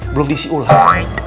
belum diisi ular